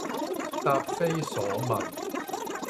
答非所問